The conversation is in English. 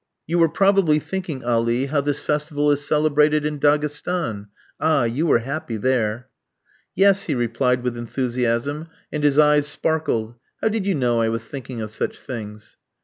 "You were probably thinking, Ali, how this festival is celebrated in Daghestan. Ah, you were happy there!" "Yes," he replied with enthusiasm, and his eyes sparkled. "How did you know I was thinking of such things?"